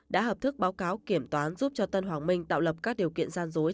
đã hợp thức báo cáo kiểm toán giúp cho tân hoàng minh tạo lập các điều kiện gian dối